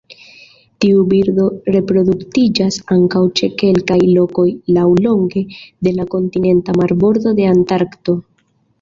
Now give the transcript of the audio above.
Tiu birdo reproduktiĝas ankaŭ ĉe kelkaj lokoj laŭlonge de la kontinenta marbordo de Antarkto.